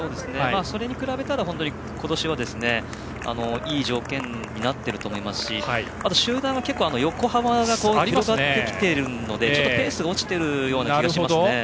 それに比べたら、今年はいい条件になってると思いますしあと、集団が横に広がっているのでペースが落ちているような気がします。